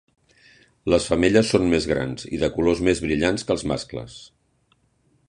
Les femelles són més grans i de colors més brillants que els mascles.